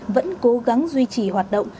vẫn cố gắng duy trì hoạt động